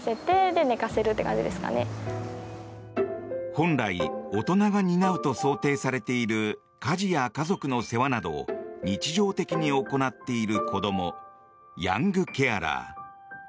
本来大人が担うと想定されている家事や家族の世話などを日常的に行っている子どもヤングケアラー。